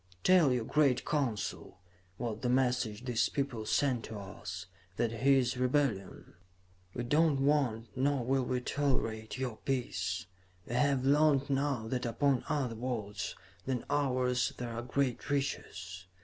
"'Tell your great Council,' was the message these people sent to us, 'that here is rebellion. We do not want, nor will we tolerate, your peace. We have learned now that upon other worlds than ours there are great riches.